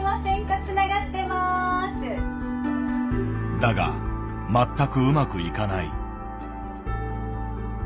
だが全くうまくいかない。